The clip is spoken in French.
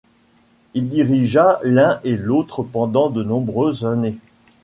Il dirigea l'un et l'autre pendant de nombreuses années.